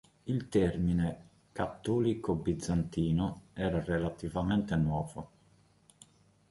Il termine "cattolico bizantino" era relativamente nuovo.